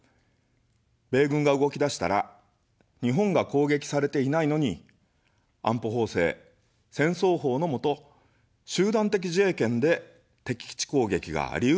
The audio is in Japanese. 米軍が動き出したら、日本が攻撃されていないのに、安保法制、戦争法のもと、集団的自衛権で敵基地攻撃がありうるというのです。